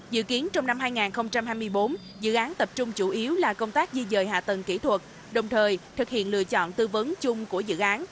dự kiến trong năm hai nghìn hai mươi bốn dự án tập trung chủ yếu là công tác di dời hạ tầng kỹ thuật đồng thời thực hiện lựa chọn tư vấn chung của dự án